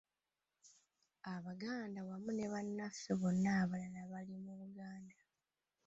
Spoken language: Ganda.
Abaganda wamu ne bannaffe bonna abalala bali mu Buganda